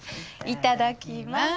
いただきます。